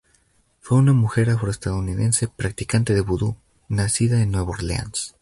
Fue una mujer afroestadounidense, practicante de vudú, nacida en Nueva Orleans.